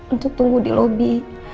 untuk tunggu di lobby